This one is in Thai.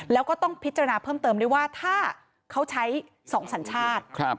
แล้วก็ต้องพิจารณาเพิ่มเติมด้วยว่าถ้าเขาใช้๒สัญชาติ